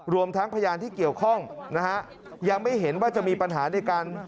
รวมทั้งพยานที่เกี่ยวข้องนะฮะยังไม่เห็นว่าจะมีปัญหาในการ